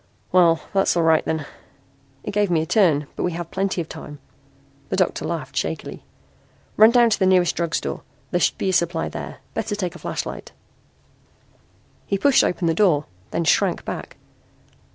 "Well, that's all right, then. It gave me a turn, but we have plenty of time." The doctor laughed shakily. "Run down to the nearest drug store. There should be a supply there. Better take a flashlight." He pushed open the door, then shrank back.